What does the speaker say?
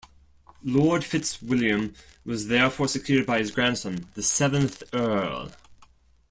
Lord Fitzwilliam was therefore succeeded by his grandson, the seventh Earl.